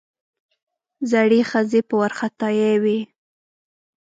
زړې ښځې په وارخطايي وې.